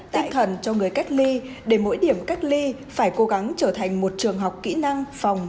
tạo thần cho người cách ly để mỗi điểm cách ly phải cố gắng trở thành một trường học kỹ năng phòng